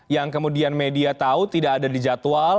yang kemudian media tahu tidak ada di jadwal